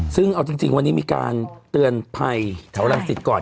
ซึ่งเอาจริงวันนี้มีการเตือนภัยแถวรังสิตก่อน